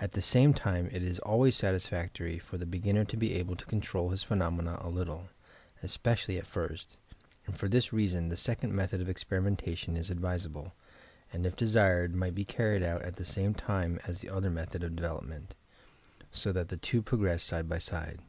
At the same time it is always satisfactory for the be ginner to be able to control his phenomena a little, especially at first, and for this reason the second method of experimentation is advisable, and if desired might be carried out at the same time as the other method of development, so that the two progress side by side.